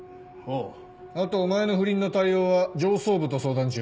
あとお前の不倫の対応は上層部と相談中。